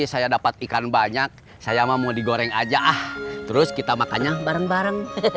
sampai jumpa di video selanjutnya